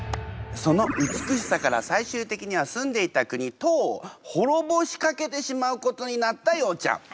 その美しさから最終的には住んでいた国唐を滅ぼしかけてしまうことになったようちゃん。